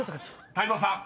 ［泰造さん］